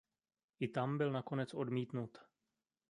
I tam byl nakonec odmítnut.